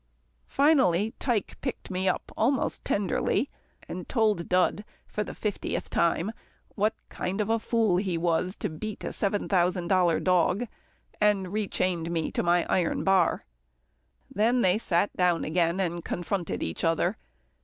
Finally Tike picked me up almost tenderly, told Dud, for the fiftieth time, what kind of a fool he was to beat a seven thousand dollar dog, and re chained me to my iron bar. Then they sat down again, and confronted each other.